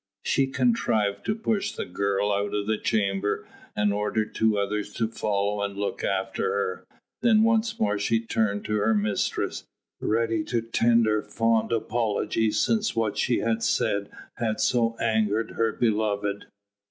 She contrived to push the girl out of the chamber and ordered two others to follow and look after her; then once more she turned to her mistress, ready to tender fond apologies since what she had said had so angered her beloved.